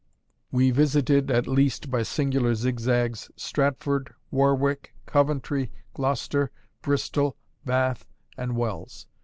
We visited at least, by singular zigzags, Stratford, Warwick, Coventry, Gloucester, Bristol, Bath, and Wells.